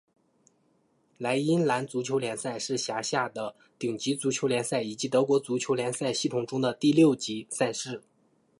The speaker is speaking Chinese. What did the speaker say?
莱茵兰足球联赛是辖下的顶级足球联赛以及德国足球联赛系统中的第六级赛事。